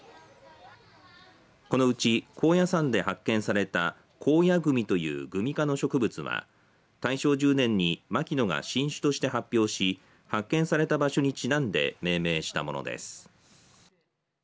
このうち高野山で発見されたコウヤグミというグミ科の植物は大正１０年に牧野が新種として発表し発見された場所にちなんで命名したものです。